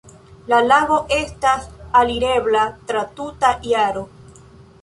La lago estas alirebla tra tuta jaro.